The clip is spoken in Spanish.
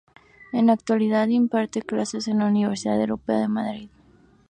En la actualidad, imparte clases en la Universidad Europea de Madrid.